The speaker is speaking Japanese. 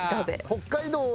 「北海道は？」